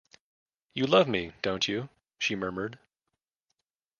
“You love me, don’t you?” she murmured.